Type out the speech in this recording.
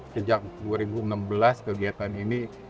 sejak dua ribu enam belas kegiatan ini